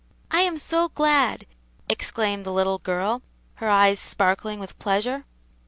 "I am so glad!" exclaimed the little girl, her eyes sparkling with pleasure.